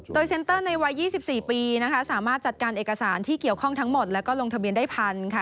โดยเซ็นเตอร์ในวัย๒๔ปีนะคะสามารถจัดการเอกสารที่เกี่ยวข้องทั้งหมดแล้วก็ลงทะเบียนได้ทันค่ะ